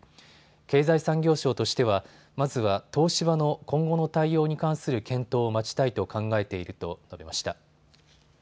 経済産業省としては、まずは東芝の今後の対応に関する検討を待ちたいと考えていると述べました。